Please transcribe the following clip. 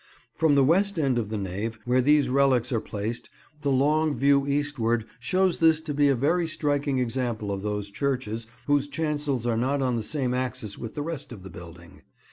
From the west end of the nave, where these relics are placed, the long view eastward shows this to be a very striking example of those churches whose chancels are not on the same axis with the rest of the building.